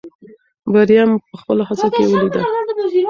بریا مې په خپلو هڅو کې ولیده.